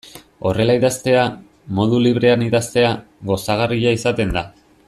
Horrela idaztea, modu librean idaztea, gozagarria izaten da.